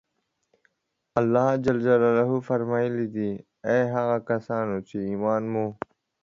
الله جل جلاله فرمایلي دي: اې هغه کسانو چې ایمان مو